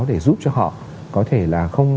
để giúp cho họ có thể là không